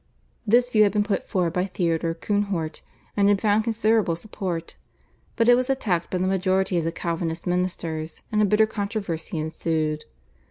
This view had been put forward by Theodore Koonhort, and had found considerable support, but it was attacked by the majority of the Calvinist ministers, and a bitter controversy ensued.